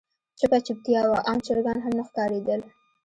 چوپه چوپتيا وه آن چرګان هم نه ښکارېدل.